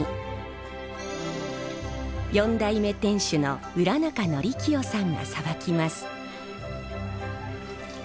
４代目店主の浦中紀清さんがさばきます。